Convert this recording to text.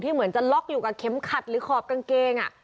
เหมือนจะล็อกอยู่กับเข็มขัดหรือขอบกางเกง